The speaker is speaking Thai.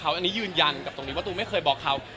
อันนี้ยืนยันว่าตูมไม่เคยบล็อกเขา